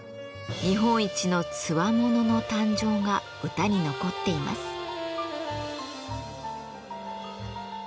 日本一の兵の誕生が歌に残っています。